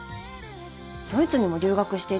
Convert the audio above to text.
ドイツにも留学していたんでしょ？